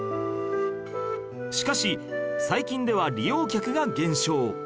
しかし最近では利用客が減少